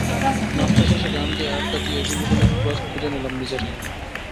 নাশতা শেষে গান গেয়ে, আড্ডা দিয়ে বিনোদনের খোরাক খুঁজে নিলাম নিজেরাই।